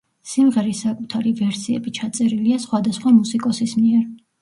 სიმღერის საკუთარი ვერსიები ჩაწერილია სხვადასხვა მუსიკოსის მიერ.